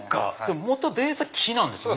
ベースは木なんですもんね